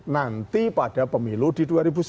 nanti pada pemilu di dua ribu sembilan belas